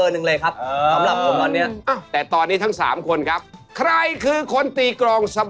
แต่เขาอาจจะแกล้งทำก็ได้ไงครับ